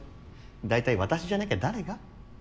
大体私じゃなきゃ誰が。